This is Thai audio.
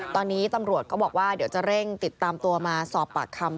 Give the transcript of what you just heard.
ตอนนี้ตำรวจก็บอกว่าเดี๋ยวจะเร่งติดตามตัวมาสอบปากคำ